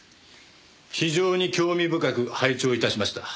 非常に興味深く拝聴致しました。